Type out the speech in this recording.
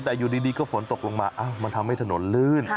แต่อยู่ดีก็ฝนตกลงมามันทำให้ถนนลื่น